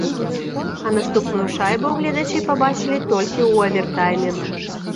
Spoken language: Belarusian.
А наступную шайбу гледачы пабачылі толькі ў авертайме.